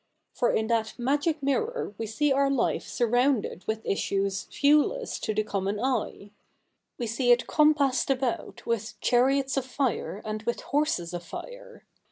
For in that magic mirror we see our life surrounded with issues viewless to the common eye. We see it compassed about with chariots of fire and with horses of fire.